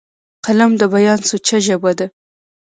قلم د بیان سوچه ژبه ده